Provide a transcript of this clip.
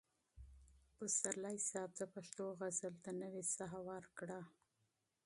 پسرلي صاحب د پښتو غزل ته نوې ساه ورکړه.